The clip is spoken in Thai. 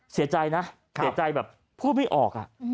เสียใจนะเสียใจแบบพูดไม่ออก